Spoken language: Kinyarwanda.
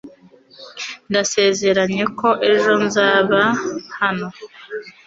Ndasezeranye ko ejo nzaba hano